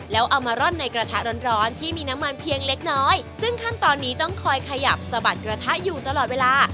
แล้วเอามาร่อนในกระทะร้อนร้อนที่มีน้ำมันเพียงเล็กน้อยซึ่งขั้นตอนนี้ต้องคอยขยับสะบัดกระทะอยู่ตลอดเวลา